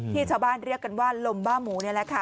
ชาวบ้านเรียกกันว่าลมบ้าหมูนี่แหละค่ะ